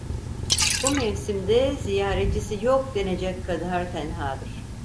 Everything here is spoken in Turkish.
Bu mevsimde, ziyaretçisi yok denecek kadar tenhadır…